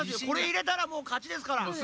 これいれたらもうかちですから。